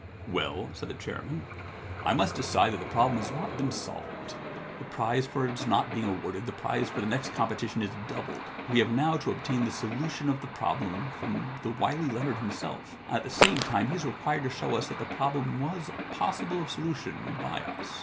* Well,' said the chairman, * I must decide that the problem has not been solved. The prize for it not being awarded, the prize for the next competition is doubled. We have 114 The Identity Problem now to obtain the solution of the problem from the wily Leonard himself, and at the same time he is required to show us that the problem was possible of solution by us.